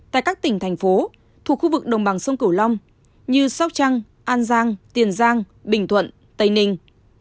tại các tỉnh thành phố thuộc khu vực đồng bằng sông cửu long như sóc trăng an giang tiền giang bình thuận tây ninh